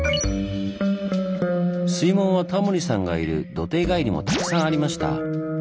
水門はタモリさんがいる土手以外にもたくさんありました。